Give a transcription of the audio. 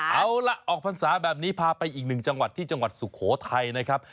เอาล่ะออกพรรษาแบบนี้พาไปอีกหนึ่งจังหวัดที่จังหวัดสุโขทัยนะครับ